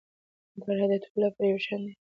عدالت د ټولو لپاره یو شان دی.